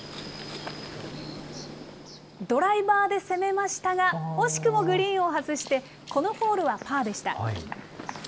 ドライバーで攻めましたが、惜しくもグリーンを外してこのホールはパーでした。